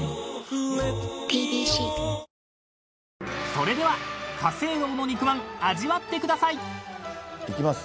［それでは華正樓の肉まん味わってください］いきます。